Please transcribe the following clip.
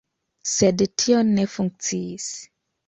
Sed tio ne funkciis.